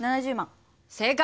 正解。